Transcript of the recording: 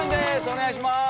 お願いします。